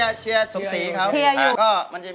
มาฟังอินโทรเพลงที่๑๐